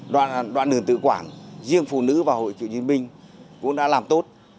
đoạn đường tự quản riêng phụ nữ và hội chủ nhân minh cũng đã làm tốt